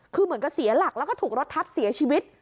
คือเหมือนกับเสียหลักแล้วก็ถูกรถทับเสียชีวิต